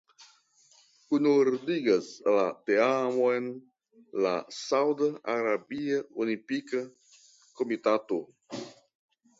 Kunordigas la teamon la Sauda Arabia Olimpika Komitato.